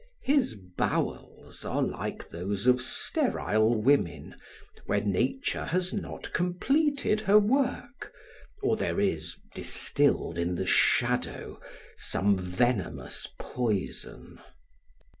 His bowels are like those of sterile women, where nature has not completed her work, or there is distilled in the shadow some venomous poison.